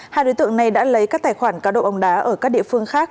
hai đối tượng này đã lấy các tài khoản cá độ bóng đá ở các địa phương khác